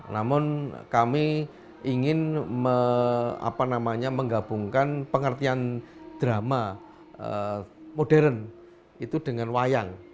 namun kami ingin menggabungkan pengertian drama modern itu dengan wayang